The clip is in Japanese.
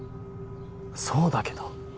そうだけど。